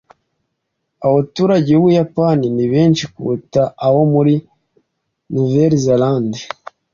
Abaturage b’Ubuyapani ni benshi kuruta abo muri Nouvelle-Zélande.